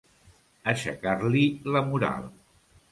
Aixecar-li la moral.